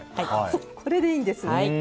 そうこれでいいんですね。